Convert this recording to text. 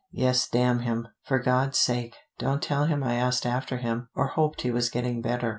"Yes, damn him. For God's sake, don't tell him I asked after him, or hoped he was getting better.